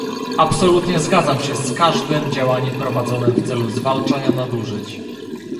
Absolutnie zgadzam się z każdym działaniem prowadzonym w celu zwalczania nadużyć